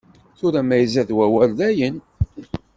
Tura ma izad wawal dayen.